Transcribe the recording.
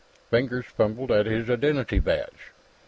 Fingers fumbled at his identity badge.